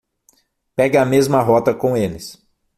Pegue a mesma rota com eles